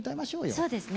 そうですね。